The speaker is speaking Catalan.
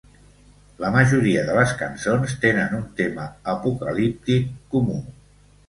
La majoria de les cançons tenen un tema apocalíptic comú.